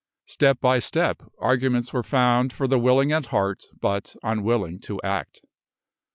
Step by step, arguments were found for the willing at heart but unwilling to act.